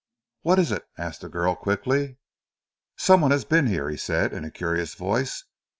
"What is it?" asked the girl quickly. "Some one has been here," he said, in a curious voice.